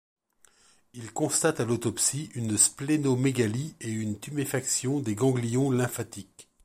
Il constate à l'autopsie une splénomégalie et une tuméfaction des ganglions lymphatiques.